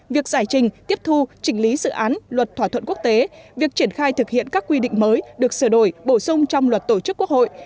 việc giải trình tiếp thu chỉnh lý dự án luật thỏa thuận quốc tế việc triển khai thực hiện các quy định mới được sửa đổi bổ sung trong luật tổ chức quốc hội